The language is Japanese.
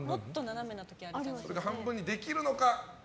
半分にできるのか。